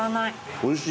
おいしい。